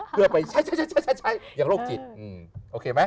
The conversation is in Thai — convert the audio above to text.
เพื่อไปใช้อย่างโรคจิตโอเคไหม